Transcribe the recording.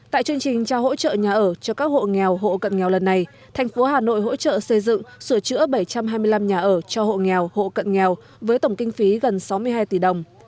tại chương trình trao hỗ trợ nhà ở cho các hộ nghèo hộ cận nghèo lần này thành phố hà nội hỗ trợ xây dựng sửa chữa bảy trăm hai mươi năm nhà ở cho hộ nghèo hộ cận nghèo với tổng kinh phí gần sáu mươi hai tỷ đồng